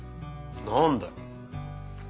何だよ？